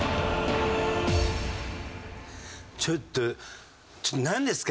ちょっとちょっとなんですか？